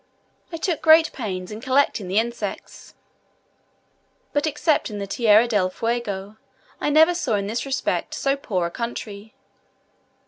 I took great pains in collecting the insects, but excepting Tierra del Fuego, I never saw in this respect so poor a country.